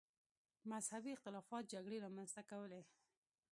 مذهبي اختلافات جګړې رامنځته کولې.